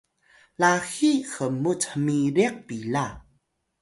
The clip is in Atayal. laxiy hmut hmiriq pila